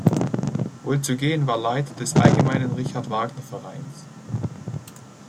Wolzogen war Leiter des "Allgemeinen Richard Wagner Vereins".